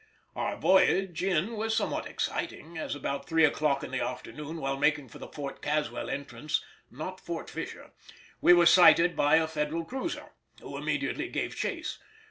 Our voyage in was somewhat exciting, as about three o'clock in the afternoon, while making for the Fort Caswell entrance (not Fort Fisher), we were sighted by a Federal cruiser, who immediately gave chase.